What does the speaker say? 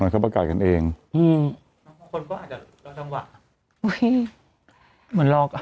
เขาประกาศกันเองอืมบางคนก็อาจจะรอจังหวะอุ้ยเหมือนรอกอ่ะ